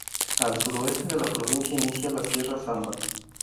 Al suroeste de la provincia inicia la "Sierra Samba".